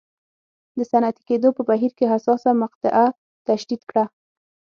د صنعتي کېدو په بهیر کې حساسه مقطعه تشدید کړه.